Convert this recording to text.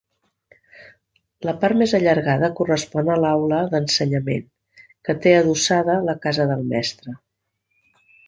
La part més allargada correspon a l'aula d'ensenyament, que té adossada la casa del mestre.